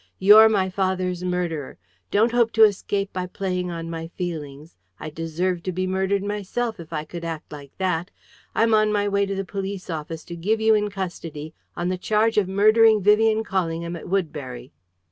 You're my father's murderer! Don't hope to escape by playing on my feelings. I'd deserve to be murdered myself, if I could act like that! I'm on my way to the police office, to give you in custody on the charge of murdering Vivian Callingham at Woodbury!"